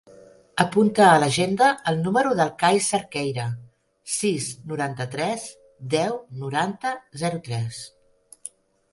Apunta a l'agenda el número del Cai Cerqueira: sis, noranta-tres, deu, noranta, zero, tres.